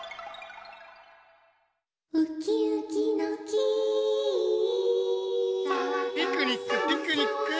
「ウキウキの木」ピクニックピクニック！